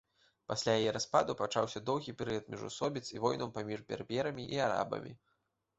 Пасля яе распаду пачаўся доўгі перыяд міжусобіц і войнаў паміж берберамі і арабамі.